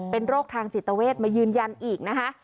เป็นโรคทางจิตเวทมายืนยันอีกนะคะ